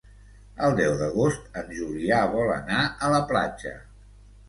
El deu d'agost en Julià vol anar a la platja.